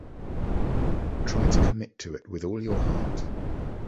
Try to commit to it with all your heart.